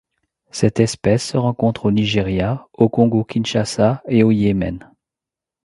Cette espèce se rencontre au Nigeria, au Congo-Kinshasa et au Yémen.